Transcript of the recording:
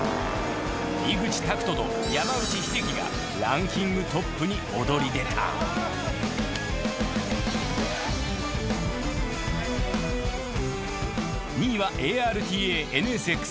井口卓人と山内英輝がランキングトップに躍り出た２位はＡＲＴＡＮＳＸ。